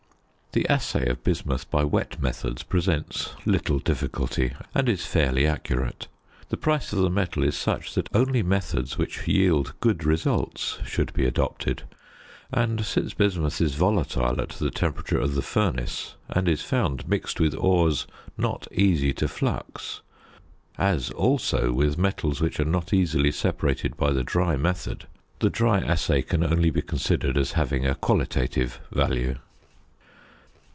The assay of bismuth by wet methods presents little difficulty, and is fairly accurate. The price of the metal is such that only methods which yield good results should be adopted; and, since bismuth is volatile at the temperature of the furnace, and is found mixed with ores not easy to flux, as also with metals which are not easily separated by the dry method, the dry assay can only be considered as having a qualitative value.